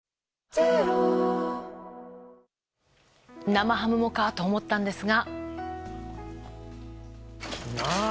生ハムもかと思ったんですが。